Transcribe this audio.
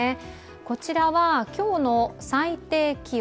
こちらは今日の最低気温。